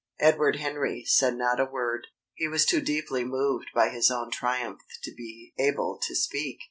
Edward Henry said not a word. He was too deeply moved by his own triumph to be able to speak.